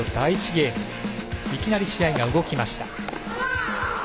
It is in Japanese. ゲームいきなり試合が動きました。